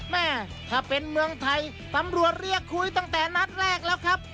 แม่ถ้าเป็นเมืองไทยตำรวจเรียกคุยตั้งแต่นัดแรกแล้วครับ